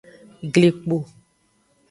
Glikpo.